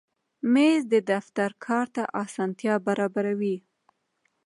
مېز د دفتر کار ته اسانتیا برابروي.